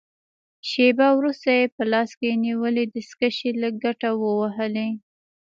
شېبه وروسته يې په لاس کې نیولې دستکشې له کټه ووهلې.